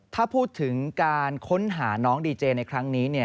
ถ้าพูดถึงการค้นหาน้องดีเจในครั้งนี้